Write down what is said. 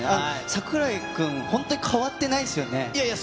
櫻井君、本当に変わってないです